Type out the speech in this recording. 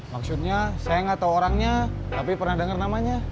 maksudnya saya gak tau orangnya tapi pernah denger namanya